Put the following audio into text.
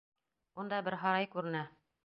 Унда бер һарай күренә!